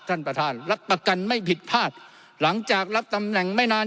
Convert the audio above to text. ท่านประธานรับประกันไม่ผิดพลาดหลังจากรับตำแหน่งไม่นาน